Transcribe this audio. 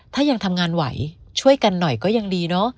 ถ้ายังทำงานไหวช่วยกันหน่อยก็ยังดีเนอะ